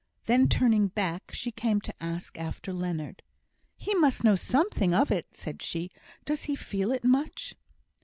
Then turning back, she came to ask after Leonard. "He must know something of it," said she. "Does he feel it much?"